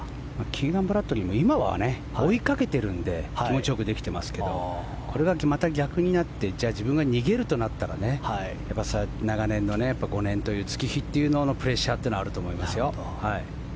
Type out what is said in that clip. キーガン・ブラッドリーも今は追いかけてるので気持ちよくできてますけどこれがまた逆になってじゃあ自分が逃げるとなったら長年の５年という月日というののプレッシャーというのはあると思いますよ。